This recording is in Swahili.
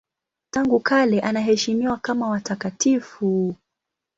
Tangu kale anaheshimiwa kama watakatifu.